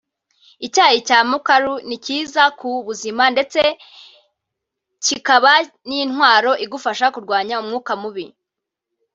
Icyayi cya mukaru ni cyiza ku buzima ndetse cyikaba n’intwaro igufasha kurwanya umwuka mubi